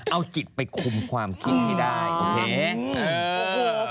เอาจิตไปคุมความคิดให้ได้โอเค